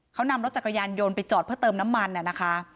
เขานำรถจักรยานยนต์ไปจอดเพื่อเติมน้ำมันนะคะ